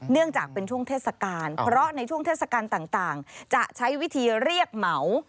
เนื่องจากเป็นช่วงเทศกาลเพราะในช่วงเทศกาลต่างจะใช้วิธีเรียกเหมา